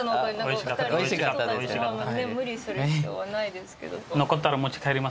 無理する必要はないですけど。